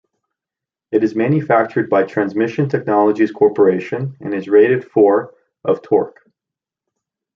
It is manufactured by Transmission Technologies Corporation and is rated for of torque.